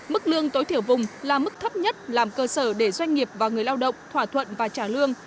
mức lương tối thiểu vùng là mức thấp nhất làm cơ sở để doanh nghiệp và người lao động thỏa thuận và trả lương